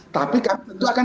tapi kami tentu akan